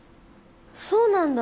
そうなんだ。